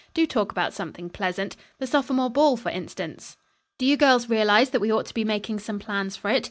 Do talk about something pleasant. The sophomore ball for instance. Do you girls realize that we ought to be making some plans for it?